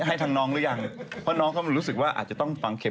ให้ทางน้องหรือยังเพราะน้องก็รู้สึกว่าอาจจะต้องฟังเข็ม